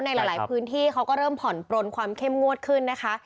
ในหลายพื้นที่เขาก็เริ่มผ่อนปลนความเข้มงวดขึ้นนะคะ